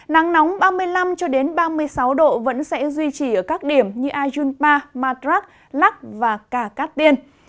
nắng nóng ba mươi năm ba mươi sáu độ vẫn sẽ duy trì ở các điểm như ajunpa madrak lắc và cả cát tiên